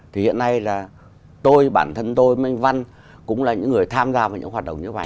thì hiện nay là tôi bản thân tôi minh văn cũng là những người tham gia vào những hoạt động như vậy